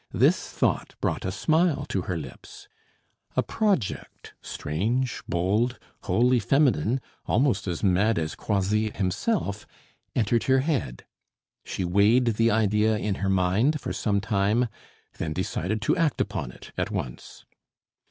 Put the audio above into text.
This thought brought a smile to her lips; a project, strange, bold, wholly feminine, almost as mad as Croisilles himself, entered her head; she weighed the idea in her mind for some time, then decided to act upon it at once.